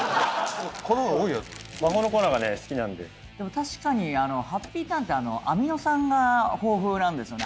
魔法の粉が好きなんででも確かにハッピーターンってアミノ酸が豊富なんですよね